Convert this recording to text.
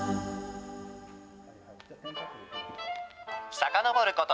さかのぼること